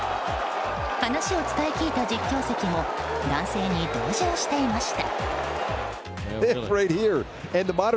話を伝え聞いた実況席も男性に同情していました。